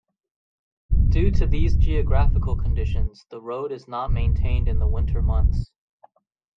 Due to these geographical conditions, the road is not maintained in the winter months.